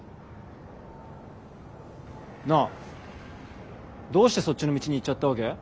なあどうしてそっちの道に行っちゃったわけ？